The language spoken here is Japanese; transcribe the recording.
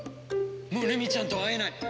もうルミちゃんとは会えない。